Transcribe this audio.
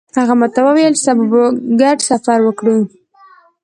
هغه ماته وویل چې سبا به ګډ سفر وکړو